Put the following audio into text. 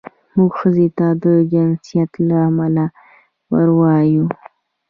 موږ ښځې ته د جنسیت له امله ووایو.